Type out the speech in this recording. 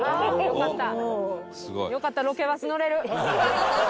よかった！